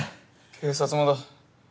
警察もだ。